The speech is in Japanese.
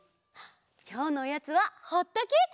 きょうのおやつはホットケーキ！